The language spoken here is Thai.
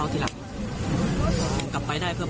ครับ